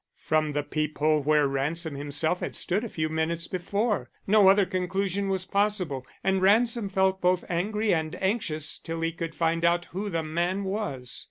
From the peep hole where Ransom himself had stood a few minutes before. No other conclusion was possible, and Ransom felt both angry and anxious till he could find out who the man was.